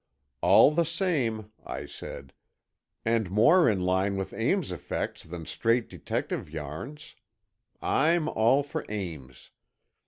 "All the same," I said, "and more in line with Ames's effects than straight detective yarns. I'm all for Ames.